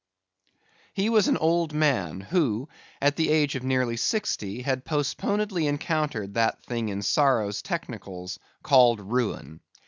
He was an old man, who, at the age of nearly sixty, had postponedly encountered that thing in sorrow's technicals called ruin.